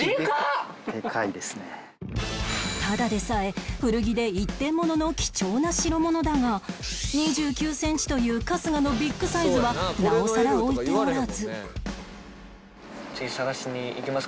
ただでさえ古着で一点物の貴重な代物だが２９センチという春日のビッグサイズはなおさら置いておらず